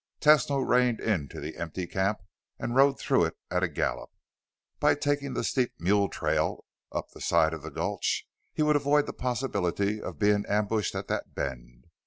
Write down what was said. Tesno reined into the empty camp and rode through it at a gallop. By taking the steep mule trail up the side of the gulch, he would avoid the possibility of being ambushed at that bend.